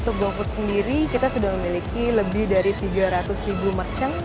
untuk gofood sendiri kita sudah memiliki lebih dari tiga ratus ribu merchant